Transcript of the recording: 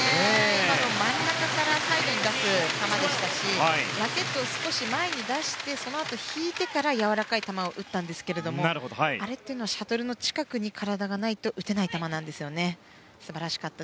今のは真ん中からサイドに出す球でラケットを少し前に出してそのあと引いてからやわらかい球を打ったんですがあれはシャトルの近くに体がないと打てない球なんですよね。